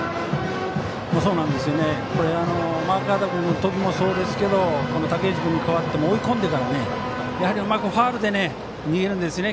マーガード君の時もそうですが武内君に代わってからも追い込んでからうまくファウルで逃げるんですね